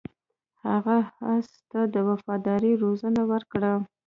هغه اس ته د وفادارۍ روزنه ورکړه.